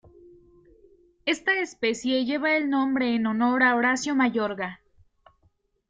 Esta especie lleva el nombre en honor a Horacio Mayorga.